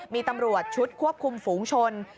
มีตำรวจชุดควบคุมฝูงชน